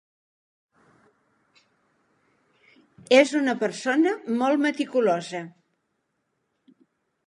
És una persona molt meticulosa.